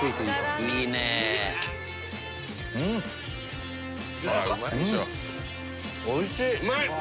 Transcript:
うまい！